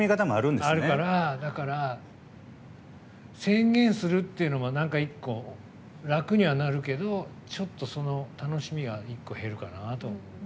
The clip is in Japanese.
宣言するっていうのが何か１個楽にはなるけどちょっと、その楽しみは１個減るかなと。